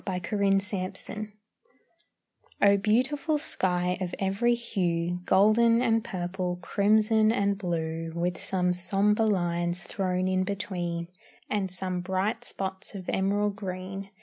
BEAUTIFUL SKY O beautiful sky of every hue; Golden and purple, crimson and blue, With some sombre lines thrown in between, And some bright spots of emerald green.